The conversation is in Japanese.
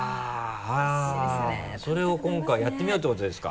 はぁそれを今回やってみようということですか？